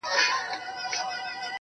د په زړه کي اوښکي، د زړه ویني – ويني~